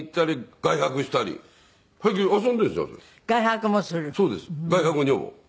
外泊も女房。